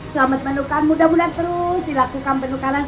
selamat penukaran mudah mudahan terus dilakukan penukaran